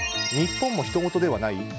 日本もひとごとではない？